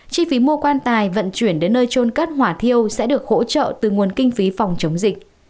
chi phí mua quan tài vận chuyển đến nơi trôn cất hỏa thiêu sẽ được hỗ trợ từ nguồn kinh phí phòng chống dịch